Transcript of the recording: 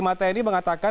kamu juga mengatakan